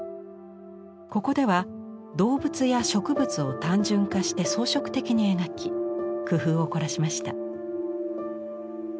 ここでは動物や植物を単純化して装飾的に描き工夫を凝らしました。